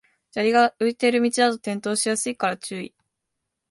砂利が浮いてる道だと転倒しやすいから注意